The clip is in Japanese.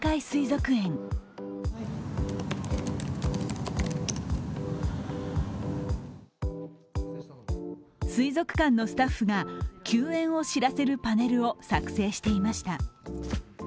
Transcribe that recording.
水族館のスタッフが休園を知らせるパネルを作成していました。